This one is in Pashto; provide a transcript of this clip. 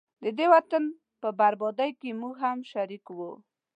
ددې وطن په بربادۍ کي موږه هم شریک وو